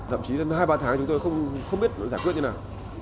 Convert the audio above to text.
thậm chí là hai ba tháng chúng tôi không biết giải quyết như nào